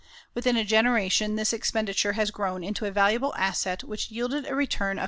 Within a generation this expenditure has grown into a valuable asset which yielded a return of $34.